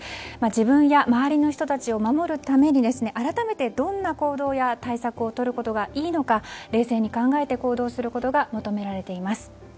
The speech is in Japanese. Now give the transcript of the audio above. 自分や周りの人たちを守るために改めてどんな行動や対策をとることがいいのか冷静に考えて行動することが求められています。